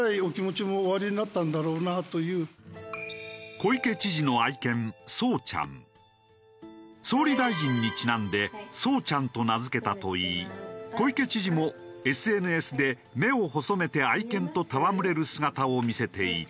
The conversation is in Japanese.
小池知事の総理大臣にちなんで「ソウちゃん」と名付けたといい小池知事もＳＮＳで目を細めて愛犬と戯れる姿を見せていた。